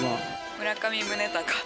村上宗隆。